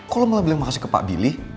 kok lo malah bilang makasih ke pak billy